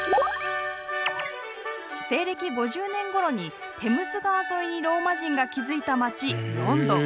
西暦５０年ごろにテムズ川沿いにローマ人が築いた街ロンドン。